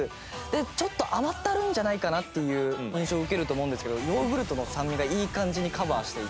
でちょっと甘ったるいんじゃないかなっていう印象を受けると思うんですけどヨーグルトの酸味がいい感じにカバーしていて。